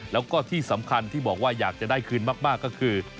แล้วก็ที่สำคัญที่บอกว่าอยากจะได้คืนมากก็คือ